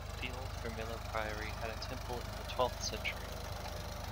The old Hermelo priory had a temple in the twelfth century.